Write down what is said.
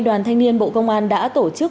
đoàn thanh niên bộ công an đã tổ chức